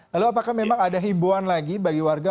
lalu apakah memang ada himbuan lagi bagi warga